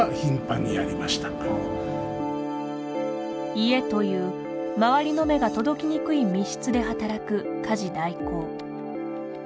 家という、周りの目が届きにくい密室で働く家事代行。